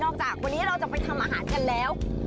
จากวันนี้เราจะไปทำอาหารกันแล้ว